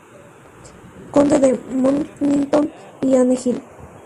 Conde de Mornington y Anne Hill.